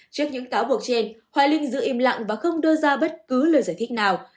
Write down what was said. trước những cáo buộc trên hoài linh giữ im lặng và không đưa ra bất cứ lời giải thích nào